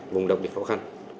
vùng đặc biệt khó khăn